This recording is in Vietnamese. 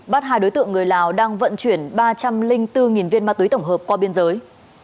bắt hai đối tượng người lào đang vận chuyển ba trăm linh bốn viên ma túy tổng hợp qua biên giới